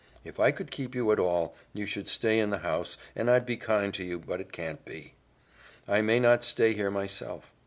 If I could keep you at all, you should stay in the house, and I'd be kind to you, but it can't be. I may not stay here myself.